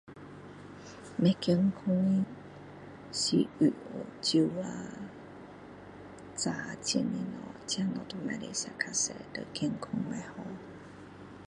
不健康的食物，煎炸的东西，这些东西都不可以吃太多对健康不好